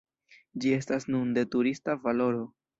Ĝi estas nun de turista valoro.